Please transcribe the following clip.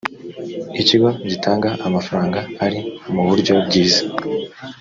ikigo gitanga amafaranga ari mu buryo bwiza